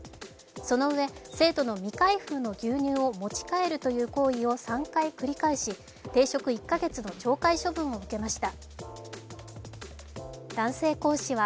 その上、生徒の未開封の牛乳を持ち帰るという行為を３回繰り返し、停職１か月の懲戒処分を受けました。